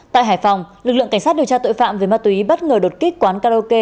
tại hải phòng lực lượng cảnh sát điều tra tội phạm về ma túy bất ngờ đột kích quán karaoke